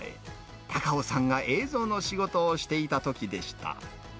太夫さんが映像の仕事をしていたときでした。